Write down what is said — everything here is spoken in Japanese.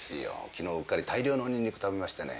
昨日うっかり大量のニンニク食べましてね。